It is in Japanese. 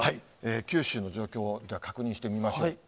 九州の状況、じゃあ、確認してみましょう。